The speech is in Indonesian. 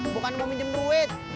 bukan mau minjem duit